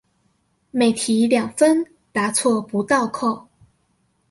每題兩分答錯不倒扣